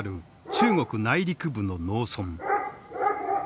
中国内陸部の農村。